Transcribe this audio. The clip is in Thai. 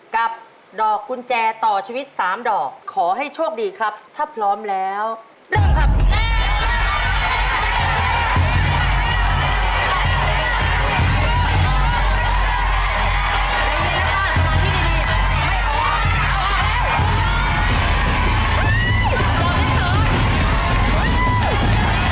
กับดอกกุญแจต่อชีวิต๓ดอกขอให้โชคดีครับถ้าพร้อมแล้วเริ่มครับ